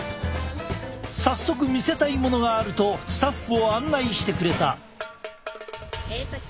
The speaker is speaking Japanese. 早速見せたいものがあるとスタッフを案内してくれた。